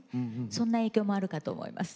そんな影響もあるかと思います。